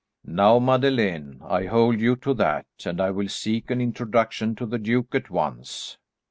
"Now Madeleine, I hold you to that, and I will seek an introduction to the duke at once."